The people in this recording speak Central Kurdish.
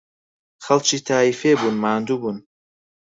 خەڵکی تاییفێ بوون، ماندوو بوون